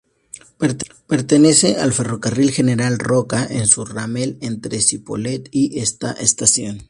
Pertenece al Ferrocarril General Roca en su ramal entre Cipolletti y Ésta Estación.